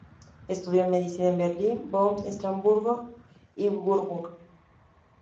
Estudió medicina en Berlín, Bonn, Estrasburgo y Würzburg.